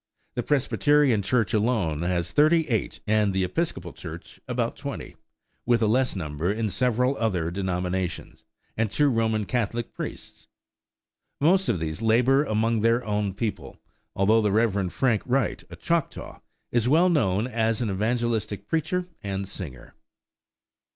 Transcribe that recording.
The Presbyterian Church alone has thirty eight and the Episcopal Church about twenty, with a less number in several other denominations, and two Roman Catholic priests. Most of these labor among their own people, though the Rev. Frank Wright, a Choctaw, is well known as an evangelistic preacher and singer.